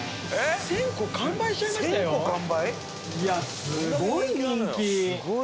いやすごい人気。